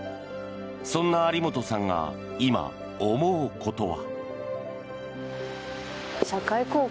そんな有本さんが今、思うことは。